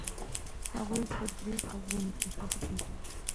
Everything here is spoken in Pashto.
هغوی په درې قبرونو کې ښخ دي.